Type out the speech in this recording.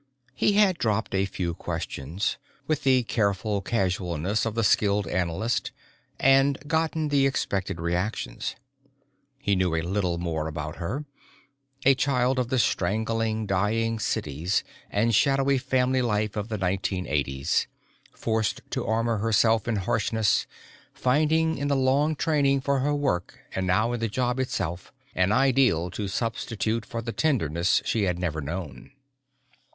He had dropped a few questions, with the careful casualness of the skilled analyst, and gotten the expected reactions. He knew a little more about her a child of the strangling dying cities and shadowy family life of the 1980's, forced to armor herself in harshness, finding in the long training for her work and now in the job itself an ideal to substitute for the tenderness she had never known.